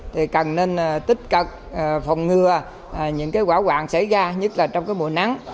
thì cần nên tích cực phòng ngừa những quả quạng xảy ra nhất là trong cái mùa nắng